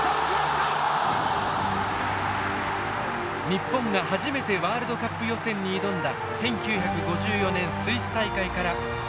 日本が初めてワールドカップ予選に挑んだ１９５４年スイス大会からおよそ半世紀。